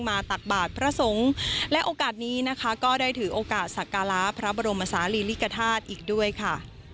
ตักบาทพระสงฆ์และโอกาสนี้นะคะก็ได้ถือโอกาสสักการะพระบรมศาลีลิกธาตุอีกด้วยค่ะ